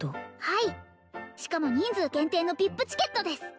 はいしかも人数限定のＶＩＰチケットです